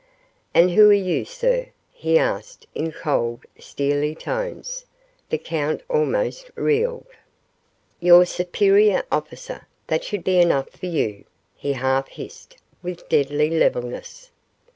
"And who are you, sir?" he asked in cold, steely tones. The count almost reeled. "Your superior officer that should be enough for you!" he half hissed with deadly levelness.